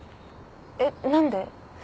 えっ何で？